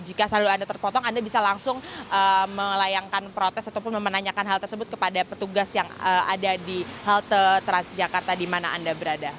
jika saldo anda terpotong anda bisa langsung melayangkan protes ataupun memenanyakan hal tersebut kepada petugas yang ada di halte transjakarta di mana anda berada